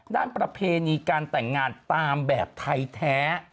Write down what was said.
ประเพณีการแต่งงานตามแบบไทยแท้